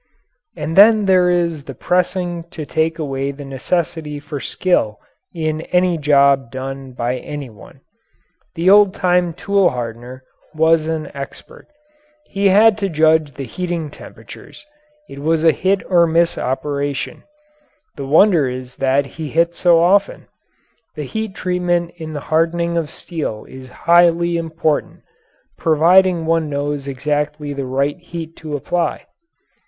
And then there is the pressing to take away the necessity for skill in any job done by any one. The old time tool hardener was an expert. He had to judge the heating temperatures. It was a hit or miss operation. The wonder is that he hit so often. The heat treatment in the hardening of steel is highly important providing one knows exactly the right heat to apply.